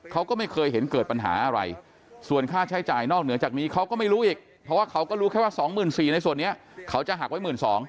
เขาก็ไม่เคยเห็นเกิดปัญหาอะไรส่วนค่าใช้จ่ายนอกเหนือจากนี้เขาก็ไม่รู้อีกเพราะว่าเขาก็รู้แค่ว่า๒๔๐๐ในส่วนนี้เขาจะหักไว้๑๒๐๐